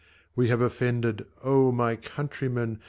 We have offended, Oh ! my countrymen